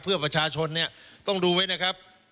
เพื่อประชาชนเนี่ยต้องดูไว้นะครับ